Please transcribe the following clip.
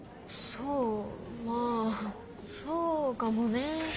そうまあそうかもね。